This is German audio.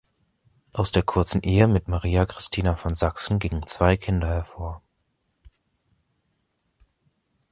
Aus der kurzen Ehe mit Maria Christina von Sachsen gingen zwei Kinder hervor.